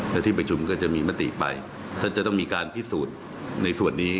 และที่ประชุมก็จะมีมติไปท่านจะต้องมีการพิสูจน์ในส่วนนี้